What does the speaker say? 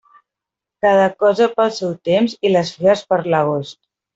Cada cosa pel seu temps i les figues per l'agost.